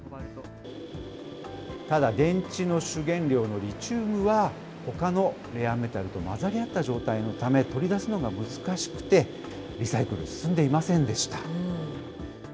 ただ、電池の主原料のリチウムはほかのレアメタルと混ざり合った状態のため取り出すのが難しくて、リサイクル、進んでいませんでした。